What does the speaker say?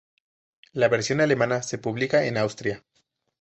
La versión alemana se publica en Austria.